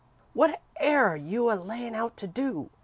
"What air you a layin' out to do?"